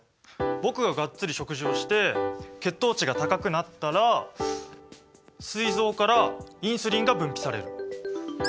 僕ががっつり食事をして血糖値が高くなったらすい臓からインスリンが分泌される。